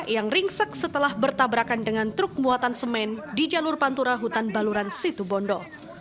yang ringsek setelah bertabrakan dengan truk muatan semen di jalur pantura hutan baluran situbondo